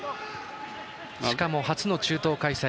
しかも初の中東開催